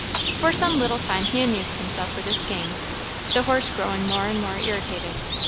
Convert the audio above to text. For some little time he amused himself with this game, the horse growing more and more irritated.